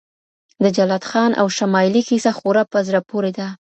د جلات خان او شمایلې کیسه خورا په زړه پورې ده.